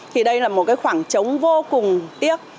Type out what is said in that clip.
thì đây là một cái khoảng trống vô cùng tiếc